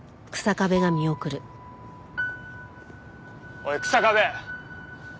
おい草壁！